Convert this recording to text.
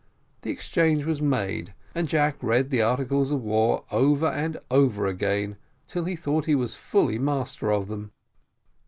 The exchange was made, and Jack read the articles of war over and over again, till he thought he was fully master of them.